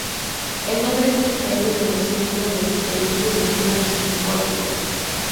El nombre es extraído del tercer libro de El preludio de William Wordsworth.